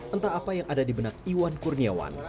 entah apa yang ada di benak iwan kurniawan